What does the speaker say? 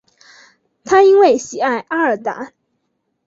他因为喜爱阿尔达。